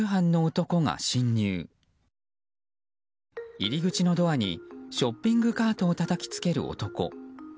入り口のドアにショッピングカートをたたきつける男。